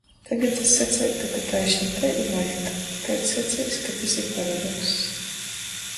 Tagad es saceitu, ka taišni tai i vajag. kaids saceis, ka tys ir paradokss.